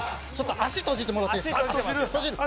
足、閉じてもらっていいですか。